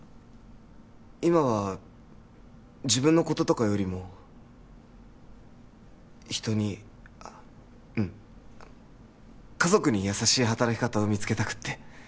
今は自分のこととかよりも人にうん家族に優しい働き方を見つけたくって